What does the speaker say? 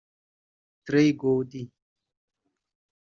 Trey Gowdy